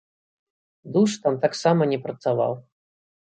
Душ там таксама не працаваў.